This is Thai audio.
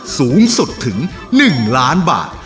สูงสุดถึง๑ล้านบาท